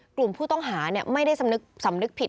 กลุ่มผู้ต้องหาไม่ได้สำนึกผิด